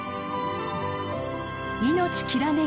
命きらめく